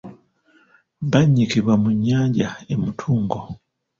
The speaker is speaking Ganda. Bannyikibwa mu nnyanja e Mutungo.